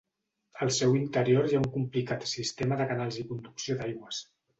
Al seu interior hi ha un complicat sistema de canals i conducció d'aigües.